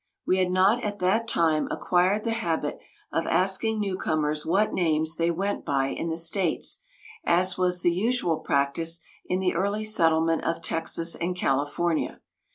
We had not at that time acquired the habit of asking newcomers what names they went by in the States, as was the usual practice in the early settlement of Texas and California.